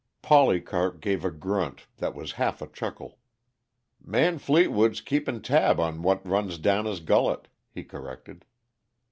Polycarp gave a grunt that was half a chuckle. "Man Fleetwood's keeping tab on what runs down his gullet," he corrected.